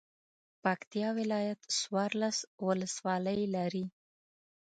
پکتیا ولایت څوارلس ولسوالۍ لري.